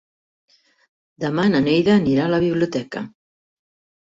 Demà na Neida anirà a la biblioteca.